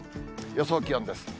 予想気温です。